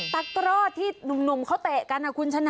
กร่อที่หนุ่มเขาเตะกันนะคุณชนะ